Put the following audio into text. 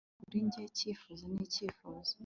impamvu kuri njye icyifuzo ni icyifuzo